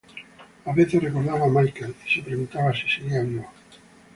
A veces recordaba a Michael y se preguntaba si seguía vivo.